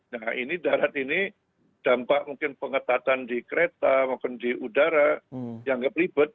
nah ini darat ini dampak mungkin pengetatan di kereta mungkin di udara yang gak pelibet